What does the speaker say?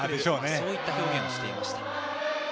そういった表現をしていました。